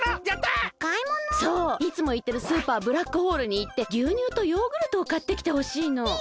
そういつもいってるスーパーブラックホールにいってぎゅうにゅうとヨーグルトをかってきてほしいの。